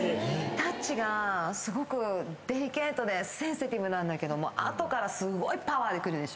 タッチがすごくデリケートでセンシティブなんだけども後からすごいパワーでくるでしょ。